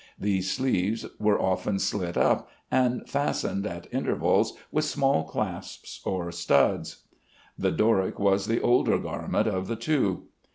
These sleeves were often slit up, and fastened at intervals with small clasps or studs. The Doric was the older garment of the two.